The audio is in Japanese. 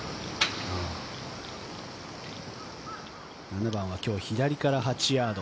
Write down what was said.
７番は今日、左から８ヤード。